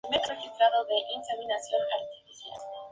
Posteriormente se situaron gradas en la plaza.